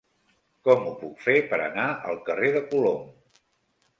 Com ho puc fer per anar al carrer de Colom?